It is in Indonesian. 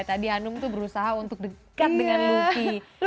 tadi anung tuh berusaha untuk dekat dengan lucky